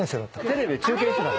テレビで中継してた。